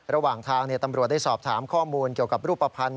ระหว่างทางตำรวจได้สอบถามข้อมูลเกี่ยวกับรูปภัณฑ์